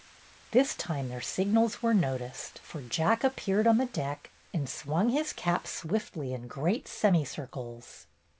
^^ This time their signals were noticed, for Jack appeared on the deck and swung his cap swiftly in great semicircles.